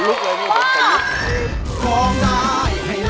เฮ่ยป้า